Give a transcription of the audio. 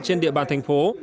trên địa bàn thành phố